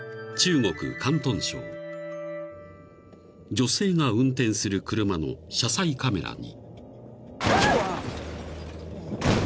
［女性が運転する車の車載カメラに］